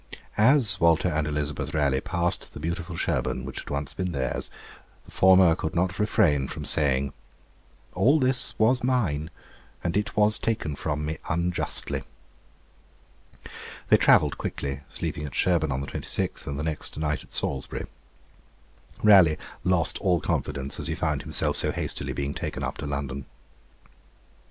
As Walter and Elizabeth Raleigh passed the beautiful Sherborne which had once been theirs, the former could not refrain from saying, 'All this was mine, and it was taken from me unjustly.' They travelled quickly, sleeping at Sherborne on the 26th, and next night at Salisbury. Raleigh lost all confidence as he found himself so hastily being taken up to London.